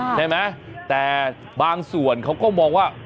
ใช่ไหมแต่บางส่วนเขาก็มองว่า